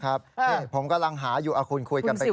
ครับเฮ่ยผมกำลังหาอยู่เอาคุณคุยกันในก่อน